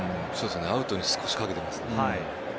アウトに少しかけてますね。